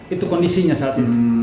itu kondisinya saat itu